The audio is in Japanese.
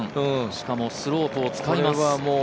しかもスロープを使います。